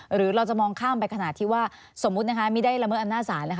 หรือเราจะมองข้ามไปขนาดที่ว่าสมมุตินะคะไม่ได้ละเมิดอำนาจศาล